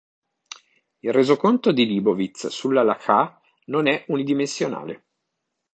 Il resoconto di Leibowitz sull'Halakhah non è unidimensionale.